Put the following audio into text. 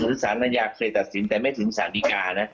หรือศาลนัยาคลิตัดสินแต่ไม่ถึงสาธิกานะ